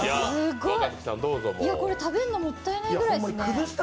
これ、食べるのもったいないくらいですね。